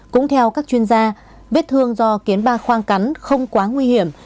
cũng theo các chuyên gia vết thương do kiến ba khoang cắn không quá nguy hiểm